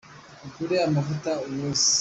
Ugure amaavuta anoze.